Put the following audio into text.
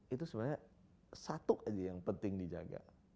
itu sebenarnya satu aja yang penting dijaga